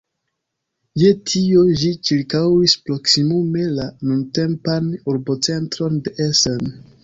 Je tio ĝi ĉirkaŭis proksimume la nuntempan urbocentron de Essen.